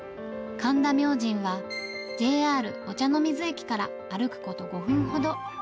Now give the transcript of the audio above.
神田明神は、ＪＲ御茶ノ水駅から歩くこと５分ほど。